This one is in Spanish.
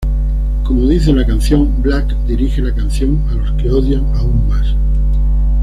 Como dice la canción, Black dirige la canción a los que odian aún más.